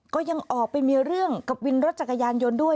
ก็ยังออกไปมีเรื่องกับวินรถจักรยานยนต์ด้วย